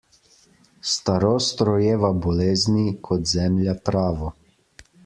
Starost rojeva bolezni kot zemlja travo.